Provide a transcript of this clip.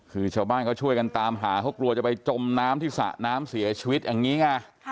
คือชาวบ้านเขาช่วยกันตามหาเขากลัวจะไปจมน้ำที่สระน้ำเสียชีวิตอย่างนี้ไง